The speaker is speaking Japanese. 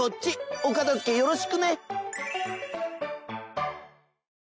お片付けよろしくね！